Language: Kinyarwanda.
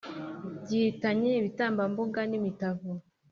Gihitanye ibitambambuga n'imitavu